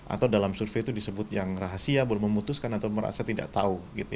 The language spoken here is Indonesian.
atau dalam survei itu disebut yang rahasia belum memutuskan atau merasa tidak tahu